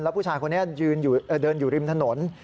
ผู้ชายคนนี้เดินอยู่ริมถนน